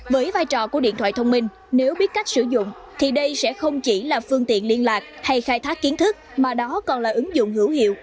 với vai trò của điện thoại thông minh nếu biết cách sử dụng thì đây sẽ không chỉ là phương tiện liên lạc hay khai thác kiến thức mà đó còn là ứng dụng hữu hiệu